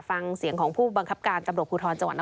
ฟังเสียงของผู้บังคับการตำรวจภูทรจนครปฐมกันค่ะ